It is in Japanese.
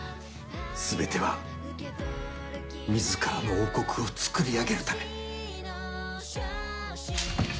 全ては自らの王国をつくり上げるため。